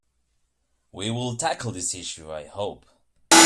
We will tackle this issue, I hope.